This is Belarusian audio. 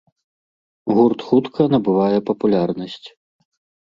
Гурт хутка набывае папулярнасць.